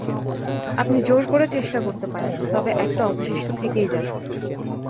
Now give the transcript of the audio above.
আপনি জোর করে চেষ্টা করতে পারেন, তবে একটা অবশিষ্ট থেকেই যাবে।